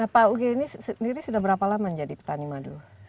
pak uge ini sendiri sudah berapa lama menjadi petani madu